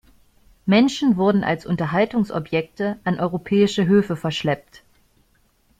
Menschen wurden als Unterhaltungsobjekte an europäische Höfe verschleppt.